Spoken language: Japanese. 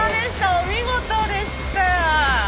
お見事でした！